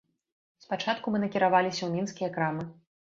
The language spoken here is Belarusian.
Спачатку мы накіраваліся ў мінскія крамы.